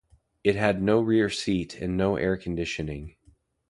It had no rear seat and no air conditioning.